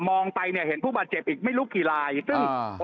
มองไปเนี่ยเห็นผู้บาดเจ็บอีกไม่รู้กี่ลายซึ่งอ่า